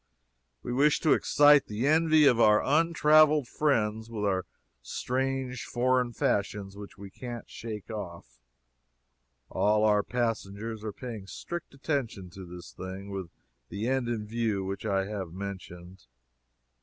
We wish to excite the envy of our untraveled friends with our strange foreign fashions which we can't shake off. All our passengers are paying strict attention to this thing, with the end in view which I have mentioned.